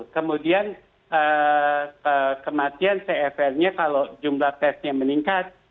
kemudian kematian cfr nya kalau jumlah tesnya meningkat